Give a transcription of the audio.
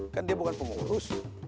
kan dia bukan pengurus